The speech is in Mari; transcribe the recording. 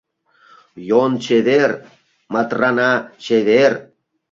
Йон чевер, Матрана чевер